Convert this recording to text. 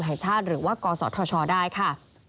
แห่งชาติหรือว่ากศธชได้ค่ะ